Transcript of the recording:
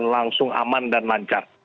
langsung aman dan lancar